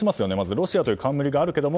ロシアという冠がありますけど